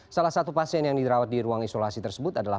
salah satu pasien yang dirawat di ruang isolasi tersebut adalah